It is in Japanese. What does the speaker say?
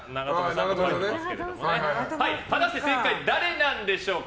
果たして正解は誰なんでしょうか。